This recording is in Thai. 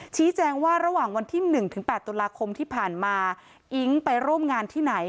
ชี้แจงว่าระหว่างวันที่๑๘ตุลาคมที่ผ่านมาอิ๊งไปร่วมงานที่ไหน